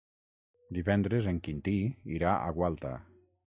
Divendres en Quintí irà a Gualta.